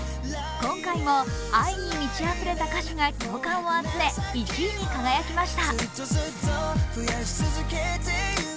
今回も愛に満ち溢れた歌詞が共感を集め、１位に輝きました。